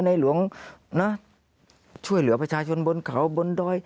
หลวงนะช่วยเหลือประชาชนบนเขาบนดอย